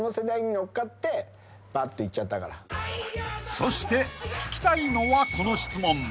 ［そして聞きたいのはこの質問］